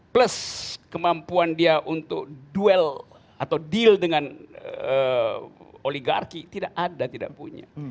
plus kemampuan dia untuk duel atau deal dengan oligarki tidak ada tidak punya